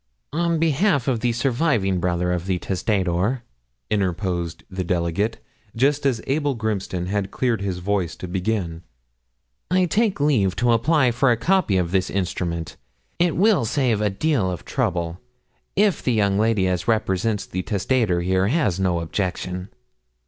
'On behalf of the surviving brother of the testator,' interposed the delegate, just as Abel Grimston had cleared his voice to begin, 'I take leave to apply for a copy of this instrument. It will save a deal of trouble, if the young lady as represents the testator here has no objection.'